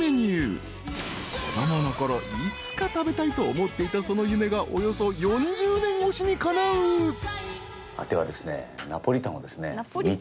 ［子供のころいつか食べたいと思っていたその夢がおよそ４０年越しにかなう］ではですね。